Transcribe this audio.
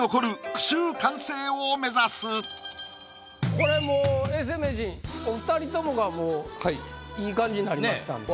これもう永世名人お二人ともがもういい感じになりましたんで。